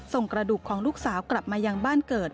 กระดูกของลูกสาวกลับมายังบ้านเกิด